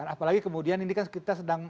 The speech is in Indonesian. apalagi kemudian ini kan kita sedang